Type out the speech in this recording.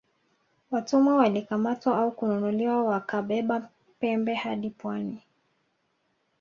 Watumwa walikamatwa au kununuliwa wakabeba pembe hadi pwani